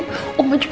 oma juga makan